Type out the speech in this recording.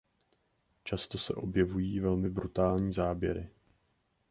Často se objevují velmi brutální záběry.